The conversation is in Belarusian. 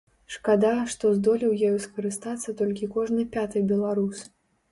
Шкада, што здолеў ёю скарыстацца толькі кожны пяты беларус.